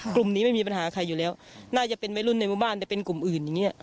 กลุ่มนี้ไม่มีปัญหาใครอยู่แล้วน่าจะเป็นวัยรุ่นในหมู่บ้านแต่เป็นกลุ่มอื่นอย่างเงี้